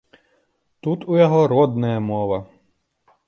Тут у яго родная мова.